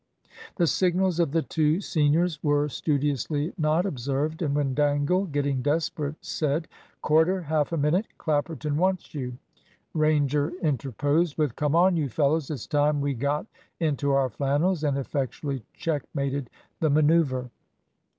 The signals of the two seniors were studiously not observed, and when Dangle, getting desperate, said "Corder, half a minute; Clapperton wants you." Ranger interposed with "Come on, you fellows, it's time we got into our flannels," and effectually checkmated the manoeuvre.